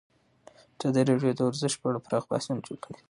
ازادي راډیو د ورزش په اړه پراخ بحثونه جوړ کړي.